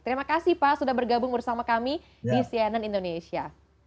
terima kasih pak sudah bergabung bersama kami di cnn indonesia